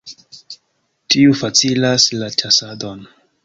Tiu facilas la ĉasadon.